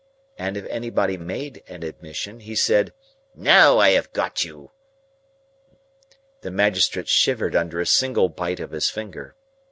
and if anybody made an admission, he said, "Now I have got you!" The magistrates shivered under a single bite of his finger.